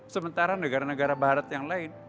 sementara negara negara barat yang lain